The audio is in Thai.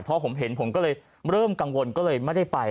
เพราะผมเห็นเริ่มกังวลก็เลยไม่ได้ไป